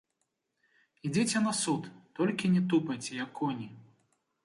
Ідзіце на суд, толькі не тупайце, як коні.